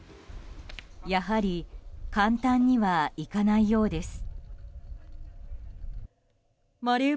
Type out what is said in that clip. やはり簡単にはいかないようです。